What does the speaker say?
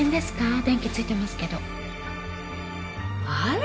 電気ついてますけどあら！